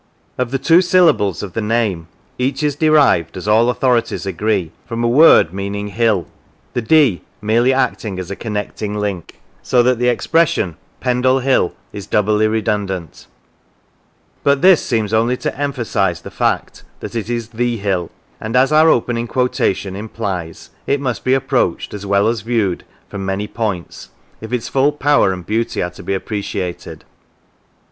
Of the two syllables of the name, each is derived, as all authorities agree, from a word meaning hill, 203 Lancashire the d merely acting as a connecting link; so that the expression Pendle Hill is doubly redundant; but this seems only to emphasise the fact that it is the hill, and as our opening quotation implies it must be approached as well as viewed from many points if its full power and beauty are to be appreciated.